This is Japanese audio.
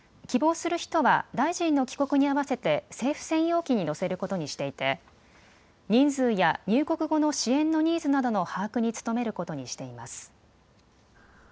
希望する人は大臣の帰国に合わせて政府専用機に乗せることにしていて人数や入国後の支援のニーズなどの把握に努めることにしています。